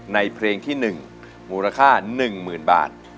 ในเพลงที่๑มูลค่า๑หมื่นบาท